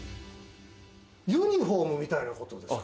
ユニホームみたいなことですか？